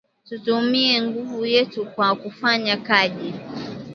Tutumie nguvu yetu kwa kufanya kaji